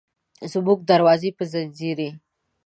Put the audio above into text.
زموږ دروازه به ځینځېرې،